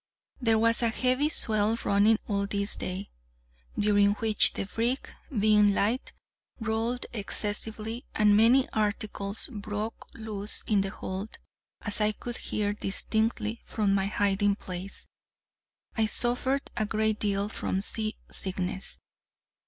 There was a heavy swell running all this day, during which the brig, being light, rolled excessively, and many articles broke loose in the hold, as I could hear distinctly from my hiding place. I suffered a great deal from sea sickness.